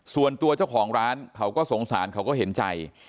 ส่วนตัวเจ้าของร้านเขาก็สงสารเขาก็เห็นใจ